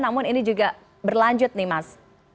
namun ini juga berlanjut nih mas